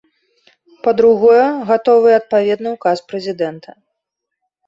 Па-другое, гатовы і адпаведны ўказ прэзідэнта.